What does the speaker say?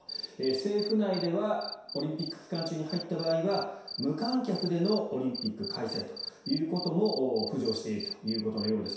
政府内ではオリンピック期間中に入った場合は無観客でのオリンピック開催ということも浮上しているということのようです。